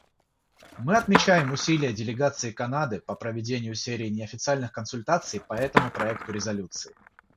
Мы отмечаем усилия делегации Канады по проведению серии неофициальных консультаций по этому проекту резолюции.